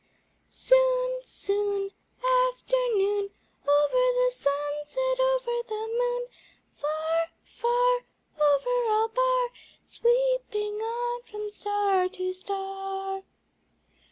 Soon, soon, Afternoon, Over the sunset, over the moon; Far, far, Over all bar, Sweeping on from star to star!